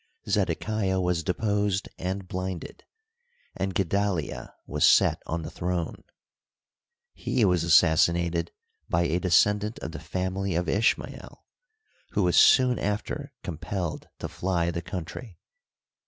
Zedekiah was de posed and blinded, and Gedalia was set on the throne. He was assassinated by a descendant of the family of Ishmael, who was soon after compelled to fly the country.